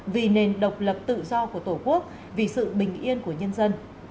vì nền độc lập tự do của tổ quốc vì sự bình yên của nhân dân